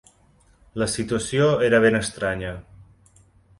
La situació era ben estranya